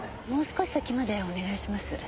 もう少し先までお願いします。